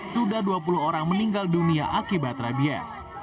sudah dua puluh orang meninggal dunia akibat rabies